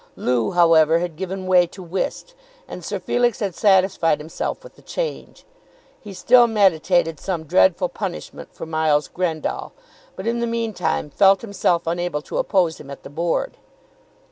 Loo, however, had given way to whist, and Sir Felix had satisfied himself with the change. He still meditated some dreadful punishment for Miles Grendall, but, in the meantime, felt himself unable to oppose him at the Board.